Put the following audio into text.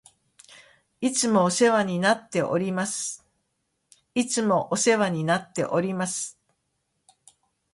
いつもお世話になっております。いつもお世話になっております。